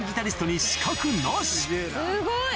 すごい！